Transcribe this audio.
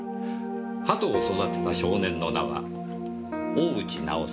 鳩を育てた少年の名は大内直輔。